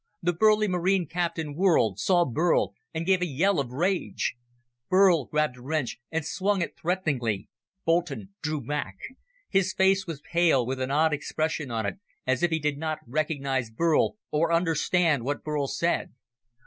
The burly Marine captain whirled, saw Burl, and gave a yell of rage. Burl grabbed a wrench and swung it threateningly. Boulton drew back. His face was pale, with an odd expression on it, as if he did not recognize Burl or understand what Burl said.